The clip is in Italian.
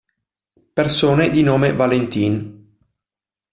Persone di nome Valentin